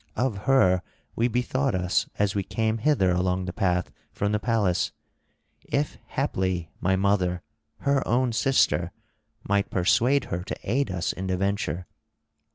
Of her we bethought us as we came hither along the path from the palace, if haply my mother, her own sister, might persuade her to aid us in the venture.